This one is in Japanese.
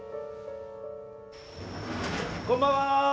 こんばんは。